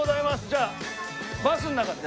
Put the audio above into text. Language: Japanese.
じゃあバスの中で。